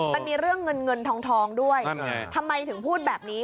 มันมีเรื่องเงินเงินทองด้วยทำไมถึงพูดแบบนี้